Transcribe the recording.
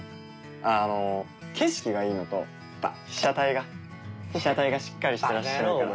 あの景色がいいのとやっぱ被写体が被写体がしっかりしてらっしゃるから。